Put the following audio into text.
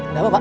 ada apa pak